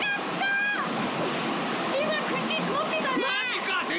今口持ってたね。